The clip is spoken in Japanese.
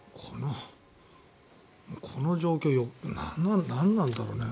この状況何なんだろうね。